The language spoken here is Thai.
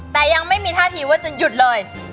แต่ยังไม่มีท่าทีว่าจะหยุดเลย